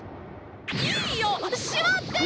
いいよ！しまってよ！